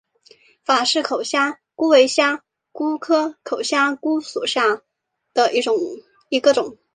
法氏口虾蛄为虾蛄科口虾蛄属下的一个种。